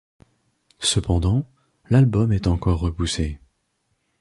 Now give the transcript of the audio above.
Cependant, l'album est encore repoussé.